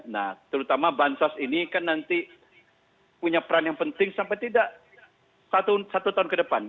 nah terutama bansos ini kan nanti punya peran yang penting sampai tidak satu tahun ke depan